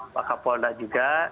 pak kapolda juga